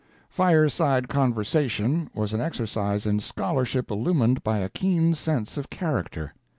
Fireside Conversation was an exercise in scholarship illumined by a keen sense of character.